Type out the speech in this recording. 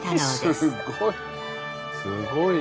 すっごい。